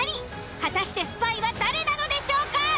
果たしてスパイは誰なのでしょうか？